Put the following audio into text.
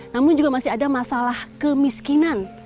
namun juga masih ada masalah kemiskinan